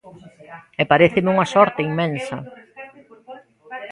E paréceme unha sorte inmensa.